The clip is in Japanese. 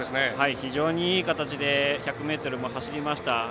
非常にいい形で１００ｍも走りました。